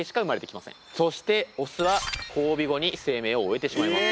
そしてオスは交尾後に生命を終えてしまいます。